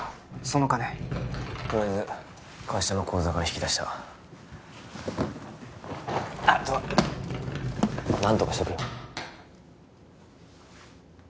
その金とりあえず会社の口座から引き出したあとは何とかしとくよ